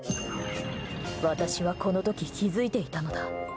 私はこの時、気づいていたのだ。